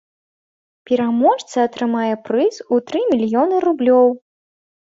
Пераможца атрымае прыз у тры мільёны рублёў.